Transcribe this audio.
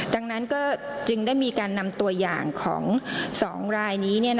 ดังนั้นก็จึงได้มีการนำตัวอย่างของ๒รายนี้